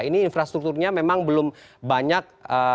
ini infrastrukturnya memang belum banyak